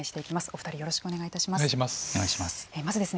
お二人よろしくお願いいたします。